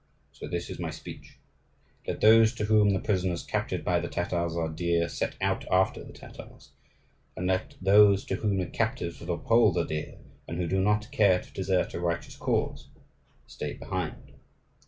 So this is my speech: Let those to whom the prisoners captured by the Tatars are dear set out after the Tatars; and let those to whom the captives of the Poles are dear, and who do not care to desert a righteous cause, stay behind.